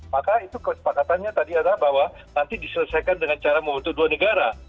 maka itu kesepakatannya tadi adalah bahwa nanti diselesaikan dengan cara membentuk dua negara